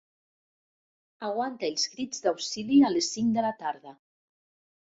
Aguanta els crits d'auxili a les cinc de la tarda.